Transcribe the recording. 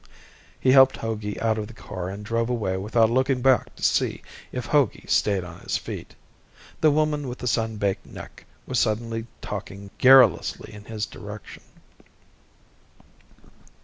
He helped Hogey out of the car and drove away without looking back to see if Hogey stayed on his feet. The woman with the sun baked neck was suddenly talking garrulously in his direction.